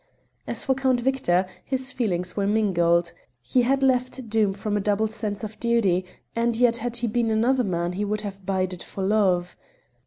As for Count Victor, his feelings were mingled. He had left Doom from a double sense of duty, and yet had he been another man he would have bided for love.